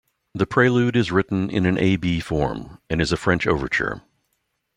The Prelude is written in an A-B form, and is a French overture.